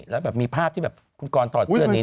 แล้วมีภาพที่คุณกรตอดเสื้อนนี้